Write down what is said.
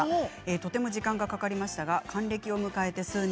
とても時間がかかりましたが還暦を迎えて数年